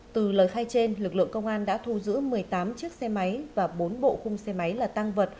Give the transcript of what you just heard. từ lời khai trên lực lượng công an đã thu giữ một mươi tám chiếc xe máy và bốn bộ khung xe máy là tăng vật